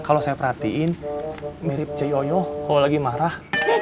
kalau saya perhatiin mirip cei yoyo kalau lagi marah